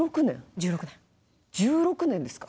１６年ですか？